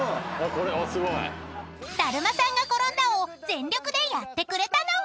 これすごい」［だるまさんが転んだを全力でやってくれたのは］